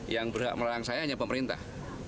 yang berhak melarang saya hanya pemerintah